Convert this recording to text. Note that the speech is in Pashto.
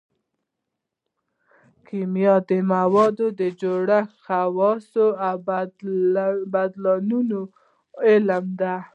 کیمیا د موادو د جوړښت خواصو او بدلونونو علم دی